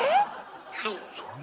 はい。